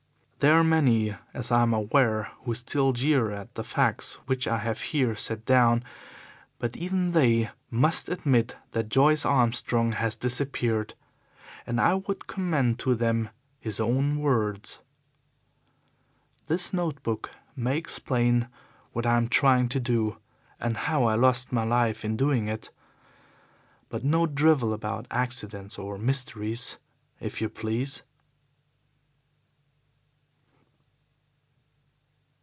There are many, as I am aware, who still jeer at the facts which I have here set down, but even they must admit that Joyce Armstrong has disappeared, and I would commend to them his own words: "This note book may explain what I am trying to do, and how I lost my life in doing it. But no drivel about accidents or mysteries, if YOU please."